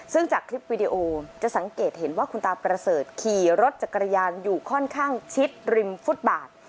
ซึ่งจากคลิปวิดีโอจะสังเกตเห็นว่าคุณตาประเสริฐขี่รถจักรยานอยู่ค่อนข้างชิดริมฟุตบาท